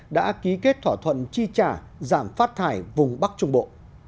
đã ký kết thỏa thuận chi trả giảm phát thải vùng bắc trung bộ